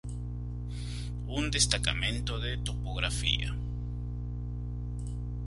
Un destacamento de topografía